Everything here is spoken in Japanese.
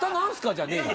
じゃねえよ。